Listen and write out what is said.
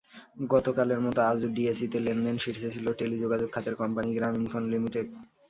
গতকালের মতো আজও ডিএসইতে লেনদেনে শীর্ষে ছিল টেলিযোগাযোগ খাতের কোম্পানি গ্রামীণফোন লিমিটেড।